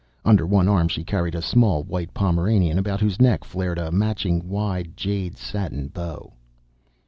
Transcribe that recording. Under one arm she carried a small white Pomeranian about whose neck flared a matching wide jade satin bow.